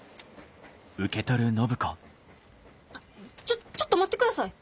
ちょっちょっと待ってください！